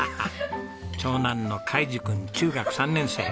長男の海路君中学３年生。